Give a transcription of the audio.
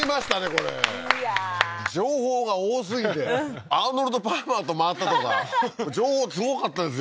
これいやー情報が多すぎてアーノルド・パーマーと回ったとか情報すごかったですよね